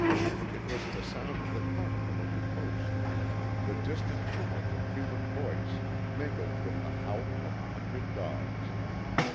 It was the sound of the carnival at the Post the distant tumult of human voice mingled with the howling of a hundred dogs.